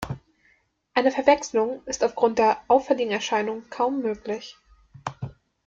Eine Verwechslung ist aufgrund der auffälligen Erscheinung kaum möglich.